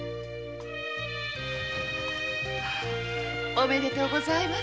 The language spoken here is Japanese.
おめでとうございます。